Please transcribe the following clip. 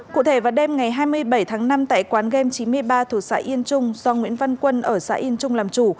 cụ thể vào đêm ngày hai mươi bảy tháng năm tại quán game chín mươi ba thuộc xã yên trung do nguyễn văn quân ở xã yên trung làm chủ